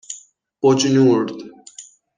بجنورد